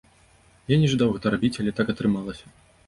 Я не жадаў гэта рабіць, але так атрымалася.